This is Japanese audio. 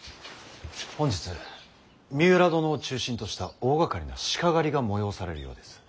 本日三浦殿を中心とした大がかりな鹿狩りが催されるようです。